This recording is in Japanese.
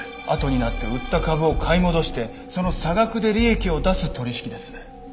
あとになって売った株を買い戻してその差額で利益を出す取引です。